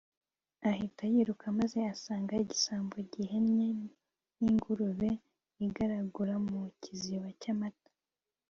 ahita yiruka, maze asanga igisabo gihennye n'ingurube yigaragura mu kiziba cy'amata